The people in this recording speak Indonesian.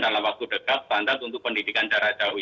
dalam waktu dekat standar untuk pendidikan jarak jauh